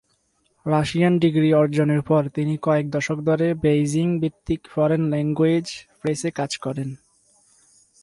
Russian degree অর্জনের পর, তিনি কয়েক দশক ধরে বেইজিং ভিত্তিক ফরেন ল্যাঙ্গুয়েজ প্রেসে কাজ করেন।